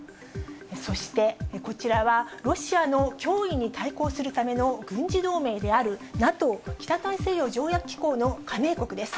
そして、こちらはロシアの脅威に対抗するための軍事同盟であるＮＡＴＯ・北大西洋条約機構の加盟国です。